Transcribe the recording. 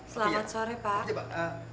selamat sore pak